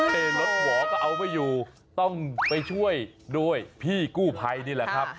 รถหวอก็เอาไม่อยู่ต้องไปช่วยด้วยพี่กู้ภัยนี่แหละครับ